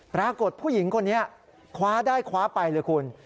ปรากฏผู้หญิงคนนี้คว้าได้คว้าไปเลยคุณ